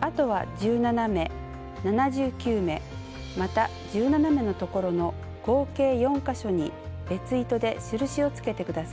あとは１７目７９目また１７目のところの合計４か所に別糸で印をつけてください。